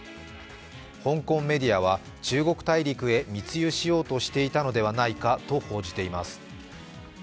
香港メディアは中国大陸へ密輸しようとしていたのではないかと報じています。